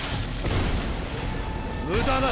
無駄だ。